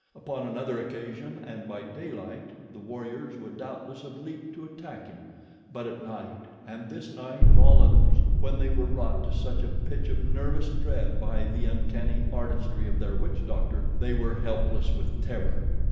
Upon another occasion and by daylight, the warriors would doubtless have leaped to attack him, but at night, and this night of all others, when they were wrought to such a pitch of nervous dread by the uncanny artistry of their witch doctor, they were helpless with terror.